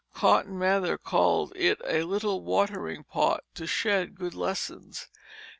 Cotton Mather called it a "little watering pot" to shed good lessons.